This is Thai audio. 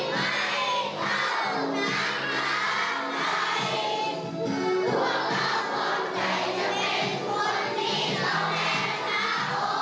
ไม่เข้าตามตามใจพวกเราคงใจจะเป็นคนที่ต้องแบบชาโฮ